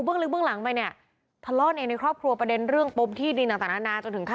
ฮะอะไรเพราะใหญ่เออทำไมไม่เดินออกมาเรียนเรื่องนั้นแหละ